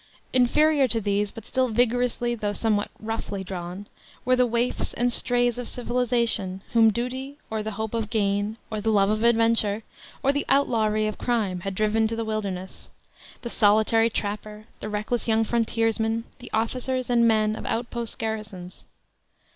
Inferior to these, but still vigorously though somewhat roughly drawn, were the waifs and strays of civilization, whom duty, or the hope of gain, or the love of adventure, or the outlawry of crime had driven to the wilderness the solitary trapper, the reckless young frontiersman, the officers and men of out post garrisons.